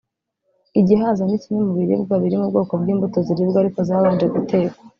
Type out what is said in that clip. Igihaza ni kimwe mu biribwa biri mu bwoko bw’imbuto ziribwa ariko zabanje gutekwa